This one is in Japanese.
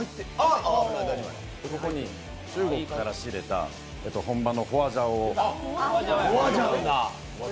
中国から仕入れた本場のホアジャオを。